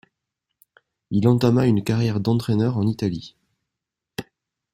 Il entama une carrière d'entraîneur en Italie.